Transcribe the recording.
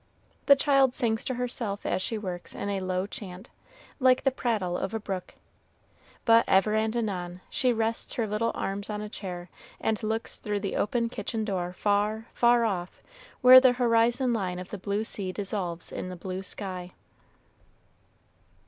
The child sings to herself as she works in a low chant, like the prattle of a brook, but ever and anon she rests her little arms on a chair and looks through the open kitchen door far, far off where the horizon line of the blue sea dissolves in the blue sky.